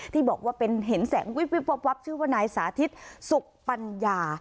ที่บอกว่าเป็นเห็นแสงวิบวับชื่อว่านายสาธิตสุขปัญญา